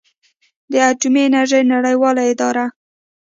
د اټومي انرژۍ نړیواله اداره